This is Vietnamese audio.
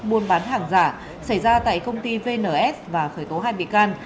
buôn bán hàng giả xảy ra tại công ty vns và khởi tố hai bị can